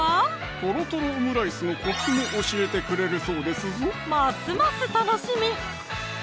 とろとろオムライスのコツも教えてくれるそうですぞますます楽しみ！